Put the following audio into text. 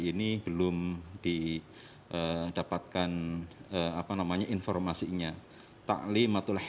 ini belum di dapatkan apa namanya informasi